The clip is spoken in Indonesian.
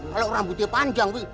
kalau orang putih panjang